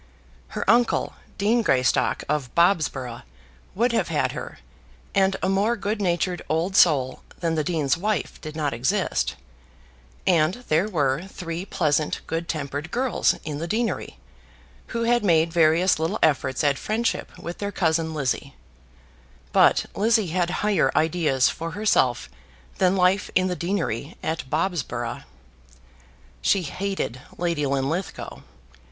Her uncle, Dean Greystock, of Bobsborough, would have had her, and a more good natured old soul than the dean's wife did not exist, and there were three pleasant, good tempered girls in the deanery, who had made various little efforts at friendship with their cousin Lizzie; but Lizzie had higher ideas for herself than life in the deanery at Bobsborough. She hated Lady Linlithgow.